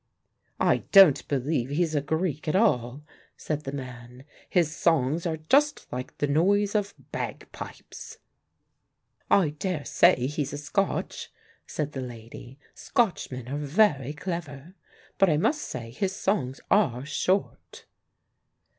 "I don't believe he's a Greek at all," said the man. "His songs are just like the noise of bagpipes." "I daresay he's a Scotch," said the lady. "Scotchmen are very clever. But I must say his songs are short."